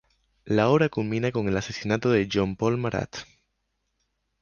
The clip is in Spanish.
La obra culmina con el asesinato de Jean-Paul Marat.